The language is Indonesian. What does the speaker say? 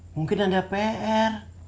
mungkin ada pr